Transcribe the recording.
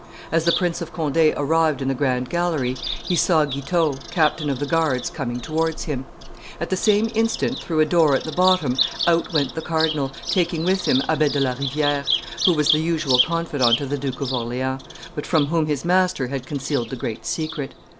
As the Prince of Conde arrived in the grand gallery, he saw Guitaut, captain of the guards, coming towards him; at the same instant, through a door at the bottom, out went the cardinal, taking with him Abbe de la Riviere, who was the usual confidant of the Duke of Orleans, but from whom his master had concealed the great secret.